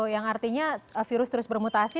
yang artinya virus terus bermutasi